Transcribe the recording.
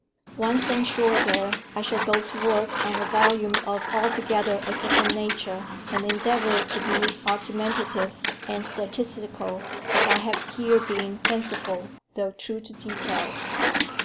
Once on shore there, I shall go to work on a volume of altogether a different nature, and endeavour to be argumentative and statistical, as I have here been fanciful, though true to details.